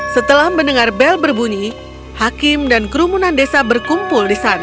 setelah mendengar bel berbunyi hakim dan kerumunan desa berkumpul di sana